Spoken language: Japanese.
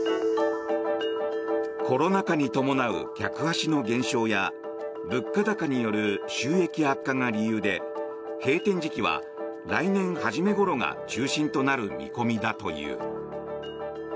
コロナ禍に伴う客足の減少や物価高による収益悪化が理由で閉店時期は来年初め頃が中心となる見込みだという。